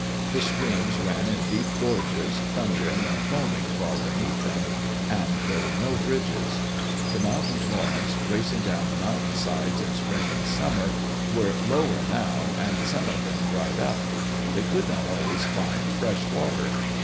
The streams ran in deep gorges, thundering and foaming far beneath them; and there were no bridges. The mountain torrents, racing down the mountain sides in spring and summer, were lower now, and some of them dried up. They could not always find fresh water.